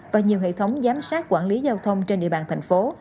và nhiều hệ thống giám sát quản lý giao thông trên địa bàn thành phố